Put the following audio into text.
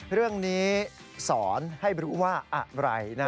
เรื่องนี้สอนให้รู้ว่าอะไร